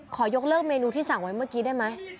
ยกเลิกเมนูที่สั่งไว้เมื่อกี้ได้ไหม